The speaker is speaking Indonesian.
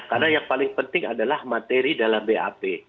karena yang paling penting adalah materi dalam bap